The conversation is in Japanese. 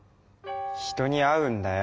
人に会うんだよ！